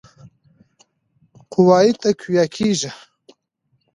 قواوي تقویه کړي.